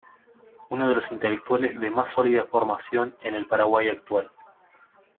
Uno de los intelectuales de más sólida formación en el Paraguay actual.